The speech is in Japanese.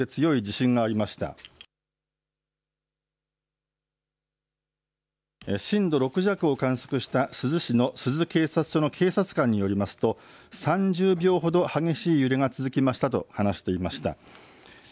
震度６弱を観測した珠洲市の珠洲警察署の警察官によりますと３０秒ほど激しい揺れが続きましたと話していました。